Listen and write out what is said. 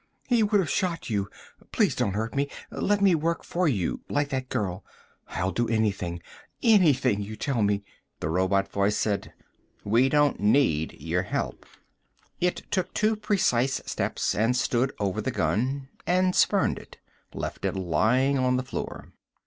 "He would have shot you please don't hurt me! Let me work for you, like that girl. I'll do anything, anything you tell me " The robot voice said. "We don't need your help." It took two precise steps and stood over the gun and spurned it, left it lying on the floor.